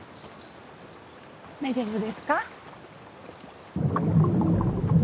大丈夫ですか？